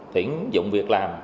thuyển dụng việc làm